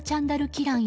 ・キラン